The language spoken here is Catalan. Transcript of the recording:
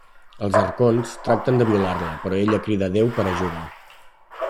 Els arconts tracten de violar-la, però ella crida Déu per ajuda.